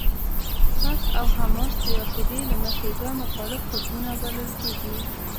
فتح او حماس د عقیدې له مخې دوه مخالف قطبونه بلل کېږي.